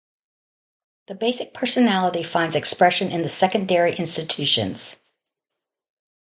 The basic personality finds expression in the secondary institutions.